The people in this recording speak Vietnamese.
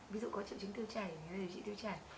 ví dụ có triệu chứng tiêu chảy thì người ta điều trị tiêu chảy